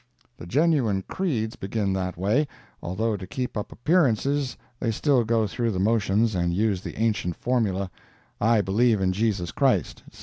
The genuine Creeds begin that way, although to keep up appearances they still go through the motions and use the ancient formula, "I believe in Jesus Christ," etc.